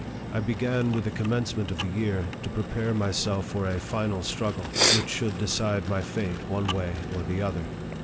I began, with the commencement of the year, to prepare myself for a final struggle, which should decide my fate one way or the other.